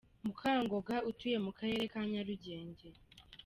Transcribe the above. Mukangoga utuye mu karere ka Nyarugenge.